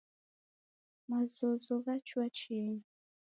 Mazozo ghachua chienyi.